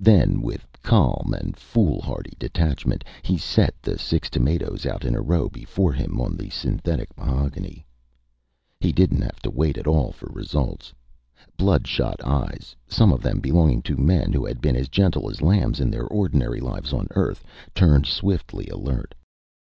Then, with calm and foolhardy detachment, he set the six tomatoes out in a row before him on the synthetic mahogany. He didn't have to wait at all for results. Bloodshot eyes, some of them belonging to men who had been as gentle as lambs in their ordinary lives on Earth, turned swiftly alert.